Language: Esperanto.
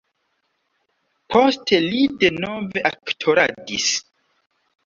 Poste li denove aktoradis.